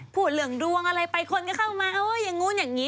พูดเรื่องดวงอะไรไปคนก็เข้ามาเอออย่างนู้นอย่างนี้